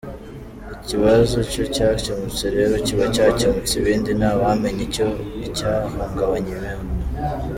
Ikibazo iyo cyakemutse rero kiba cyakemutse ibindi nta wamenya icyahungabanya ibintu.